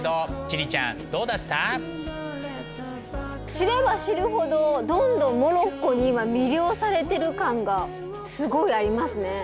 知れば知るほどどんどんモロッコに今魅了されてる感がすごいありますね。